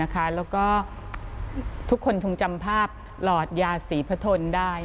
แล้วก็ทุกคนคงจำภาพหลอดยาศรีพระทนได้